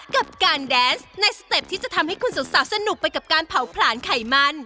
กับการแดนส์ในสเต็ปที่จะทำให้คุณสาวสนุกไปกับการเผาผลาญไขมัน